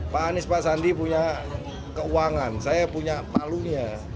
pak anies pak sandi punya keuangan saya punya palunya